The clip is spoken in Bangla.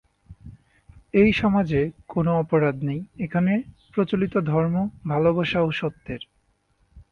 এই সমাজে কোন অপরাধ নেই, এখানে প্রচলিত ধর্ম 'ভালোবাসা ও সত্যের'।